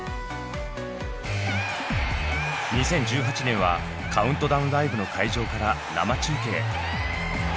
２０１８年はカウントダウンライブの会場から生中継。